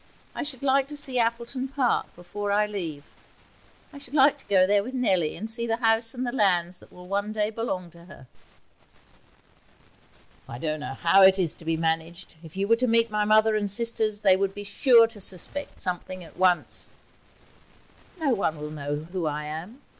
I should like to see Appleton Park before I leave. I should like to go there with Nellie and see the house and the lands that will one day belong to her.' 'I don't know how it is to be managed. If you were to meet my mother and sisters they would be sure to suspect something at once.' 'No one will know who I am.